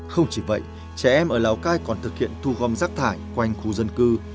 không chỉ vậy trẻ em ở lào cai còn thực hiện thu gom rác thải quanh khu dân cư